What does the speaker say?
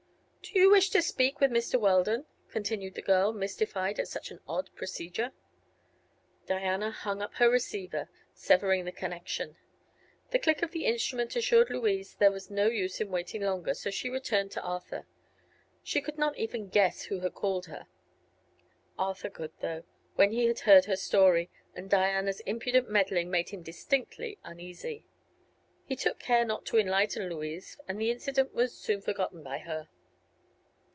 "Do you wish to speak with Mr. Weldon?" continued the girl, mystified at such an odd procedure. Diana hung up her receiver, severing the connection. The click of the instrument assured Louise there was no use in waiting longer, so she returned to Arthur. She could not even guess who had called her. Arthur could, though, when he had heard her story, and Diana's impudent meddling made him distinctly uneasy. He took care not to enlighten Louise, and the incident was soon forgotten by her.